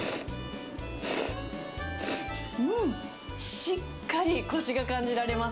うん、しっかりこしが感じられます。